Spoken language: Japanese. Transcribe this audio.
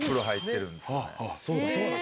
そうだそうだ。